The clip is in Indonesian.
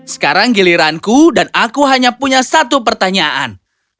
sekarang giliranku dan aku hanya punya satu pertanyaan